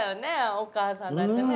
お母さんたちね。